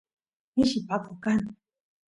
mishi paqo kan